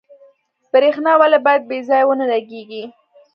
برښنا ولې باید بې ځایه ونه لګیږي؟